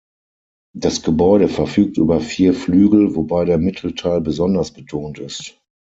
Das Gebäude verfügt über vier Flügel, wobei der Mittelteil besonders betont ist.